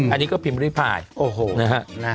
อันนี้ก็พิมพ์ด้วยภายนะฮะ